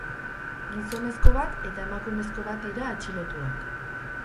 Gizonezko bat eta emakumezko bat dira atxilotuak.